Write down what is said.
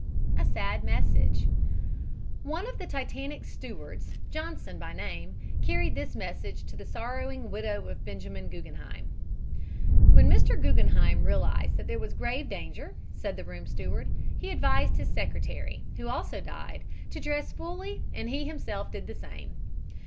A SAD MESSAGE One of the Titanic's stewards, Johnson by name, carried this message to the sorrowing widow of Benjamin Guggenheim: "When Mr. Guggenheim realized that there was grave danger," said the room steward, "he advised his secretary, who also died, to dress fully and he himself did the same.